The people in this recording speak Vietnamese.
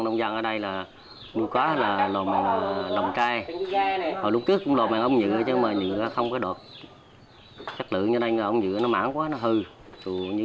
nên anh ông dự nó mãn quá nó hư